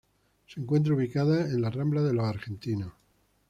Se encuentra ubicada en la Rambla de los Argentinos.